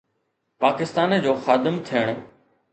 پاڪستان جو خادم ٿيڻ.